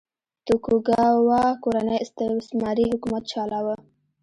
توکوګاوا کورنۍ استثماري حکومت چلاوه.